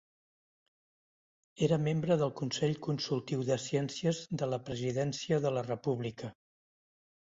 Era membre del Consell Consultiu de Ciències de la Presidència de la República.